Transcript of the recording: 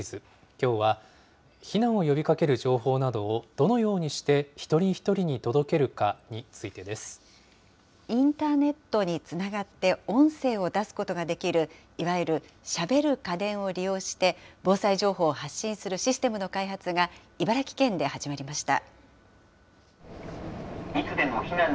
きょうは、避難を呼びかける情報などをどのようにして一人一人に届けるかにインターネットにつながって、音声を出すことができる、いわゆるしゃべる家電を利用して、防災情報を発信するシステムの開発が、茨城県で始まりました。